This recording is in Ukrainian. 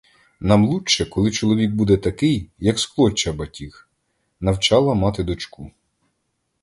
Нам лучче, коли чоловік буде такий, як з клоччя батіг, — навчала мати дочку.